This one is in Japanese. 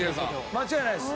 間違いないです。